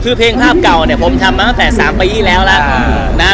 คือเพลงภาพเก่าเนี่ยผมทำมาตั้งแต่๓ปีแล้วล่ะ